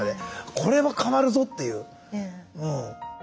これは変わるぞっていう。